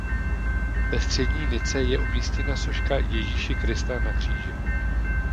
Ve střední nice je umístěna soška Ježíše Krista na kříži.